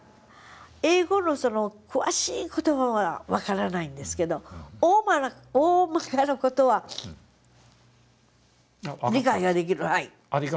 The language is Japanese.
英語の詳しい言葉は分からないんですけどおおまかな事は理解ができる。